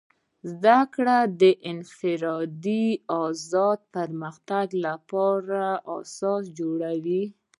زدهکړه د انفرادي ازادۍ او پرمختګ لپاره اساس جوړوي.